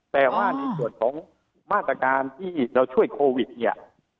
แต่ว่าในส่วนของมาตรการที่เราช่วยโควิดเนี่ย